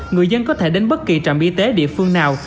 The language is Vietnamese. người dân có thể đến bất kỳ trạm y tế địa phương nào